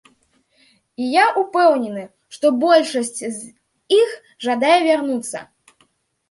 І я ўпэўнены, што большасць з іх жадае вярнуцца.